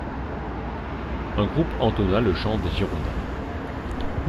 Un groupe entonna le chant des Girondins.